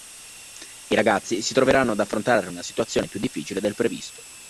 I ragazzi si troveranno ad affrontare una situazione più difficile del previsto.